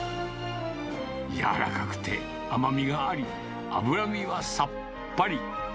柔らかくて甘みがあり、脂身はさっぱり。